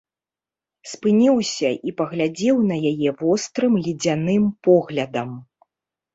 Спыніўся і паглядзеў на яе вострым ледзяным поглядам.